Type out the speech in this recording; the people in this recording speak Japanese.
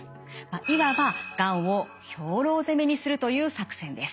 いわばがんを兵糧攻めにするという作戦です。